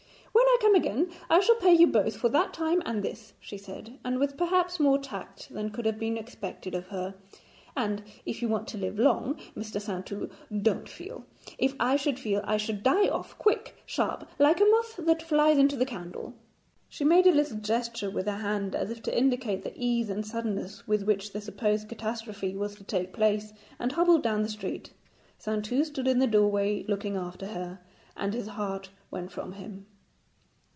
'When I come again I shall pay you both for that time and this,' she said, with perhaps more tact than could have been expected of her. 'And if you want to live long, Mr. Saintou, don't feel. If I should feel I should die off, quick, sharp, like a moth that flies into the candle.' She made a little gesture with her hand, as if to indicate the ease and suddenness with which the supposed catastrophe was to take place, and hobbled down the street. Saintou stood in the doorway looking after her, and his heart went from him.